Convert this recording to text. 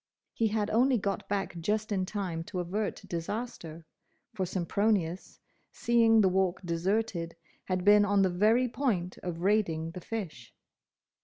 He had only got back just in time to avert disaster, for Sempronius, seeing the Walk deserted, had been on the very point of raiding the fish.